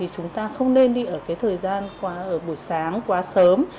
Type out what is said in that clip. chúng ta không nên đi ở thời gian ở buổi sáng quá sớm